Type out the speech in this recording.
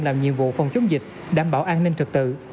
làm nhiệm vụ phòng chống dịch đảm bảo an ninh trật tự